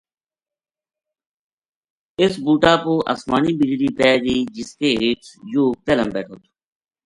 اس بُوٹا پو اسمانی بجلی پے گئی جس کے ہیٹھ یوہ پہلاں بیٹھو تھو